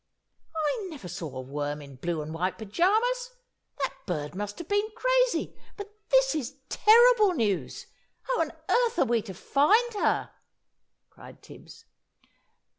"I never saw a worm in blue and white pyjamas! That bird must have been crazy! But this is terrible news. How on earth are we to find her?" cried Tibbs.